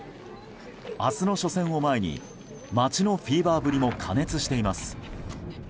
明日の初戦を前に街のフィーバーぶりも過熱しています。